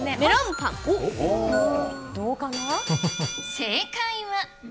正解は。